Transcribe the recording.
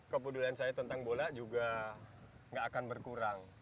kepedulian saya tentang bola juga gak akan berkurang